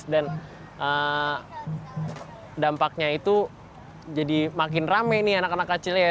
dan dampaknya itu jadi makin rame nih anak anak kecilnya